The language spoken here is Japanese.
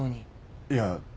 いや。